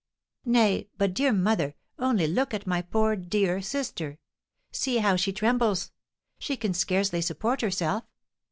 "Nay, but, dear mother, only look at my poor dear sister! See how she trembles! She can scarcely support herself.